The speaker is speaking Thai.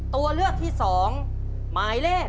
ตัวเลือกที่๒หมายเลข